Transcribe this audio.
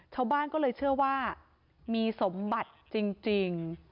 ชาวบ้านก็เลยเชื่อว่ามีสมบัติจริง